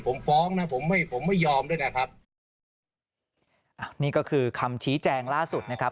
ผมฟ้องนะผมไม่ผมไม่ยอมด้วยนะครับอ่านี่ก็คือคำชี้แจงล่าสุดนะครับ